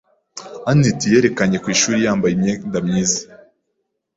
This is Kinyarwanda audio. anet yerekanye ku ishuri yambaye imyenda myiza.